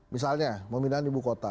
misalnya memindahan ibu kota